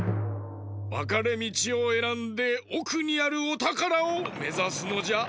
わかれみちをえらんでおくにあるおたからをめざすのじゃ。